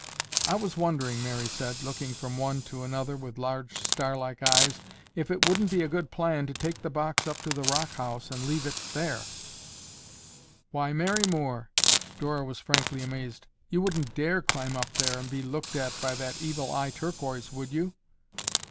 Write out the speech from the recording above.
"I was wondering," Mary said, looking from one to another with large star like eyes, "if it wouldn't be a good plan to take the box up to the rock house and leave it there." "Why, Mary Moore," Dora was frankly amazed, "you wouldn't dare climb up there and be looked at by that Evil Eye Turquoise, would you?"